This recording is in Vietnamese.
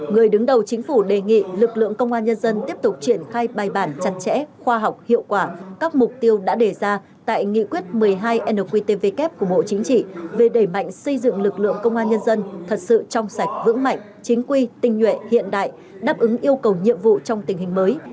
người đứng đầu chính phủ đề nghị lực lượng công an nhân dân tiếp tục triển khai bài bản chặt chẽ khoa học hiệu quả các mục tiêu đã đề ra tại nghị quyết một mươi hai nqtvk của bộ chính trị về đẩy mạnh xây dựng lực lượng công an nhân dân thật sự trong sạch vững mạnh chính quy tinh nhuệ hiện đại đáp ứng yêu cầu nhiệm vụ trong tình hình mới